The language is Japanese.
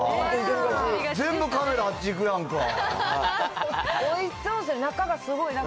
全部カメラ、あっち行くやんか。